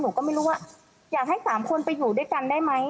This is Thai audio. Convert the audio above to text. หนูก็ไม่รู้ว่าอยากให้สามคนไปอยู่ด้วยกันได้ไหม